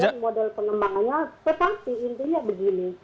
jadi model pengembangannya tetap diintinya begini